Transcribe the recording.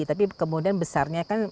tapi kemudian besarnya kan